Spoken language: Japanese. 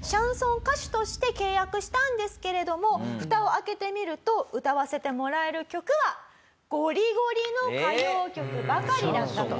シャンソン歌手として契約したんですけれどもふたを開けてみると歌わせてもらえる曲はゴリゴリの歌謡曲ばかりだったと。